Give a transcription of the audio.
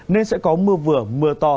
nên sẽ có mưa vừa mưa to